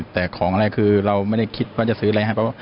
แต่ของอะไรคือเราไม่คิดว่าจะซื้ออะไรให้